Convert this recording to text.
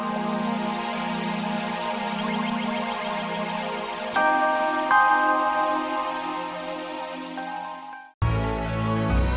ya udah yaudah